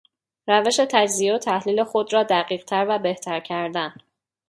روش تجزیه و تحلیل خود را دقیقتر و بهتر کردن